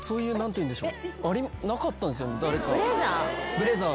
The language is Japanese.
ブレザー？